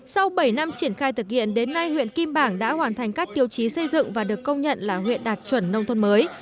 sau bảy năm triển khai thực hiện đến nay huyện kim bảng đã hoàn thành các tiêu chí xây dựng và được công nhận là huyện đạt chuẩn nông thôn mới